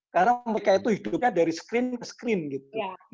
karena mereka itu hidupnya dari screen ke screen gitu